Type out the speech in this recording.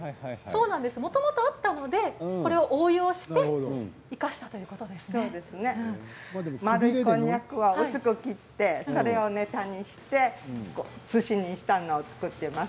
もともとあったのでこれを応用して生かした丸いこんにゃくを薄く切ってそれをネタにしてすしにしたのを作っています。